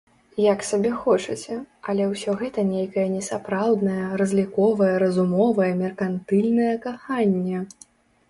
Як сабе хочаце, але ўсё гэта нейкае несапраўднае, разліковае, разумовае, меркантыльнае каханне.